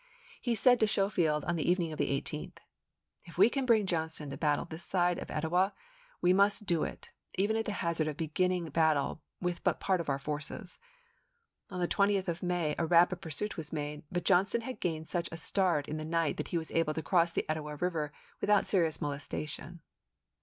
He said to Scho field on the evening of the 18th :" If we can bring Co^JS$ee Johnston to battle this side of Etowah, we must do of thenwar! it, even at the hazard of beginning battle with but voTi6; a part of our forces." On the 20th of May a rapid men?p.ek pursuit was made, but Johnston had gained such a start in the night that he was able to cross the Etowah River without serious molestation.